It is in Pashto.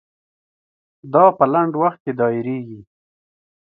دا په لنډ وخت کې دایریږي.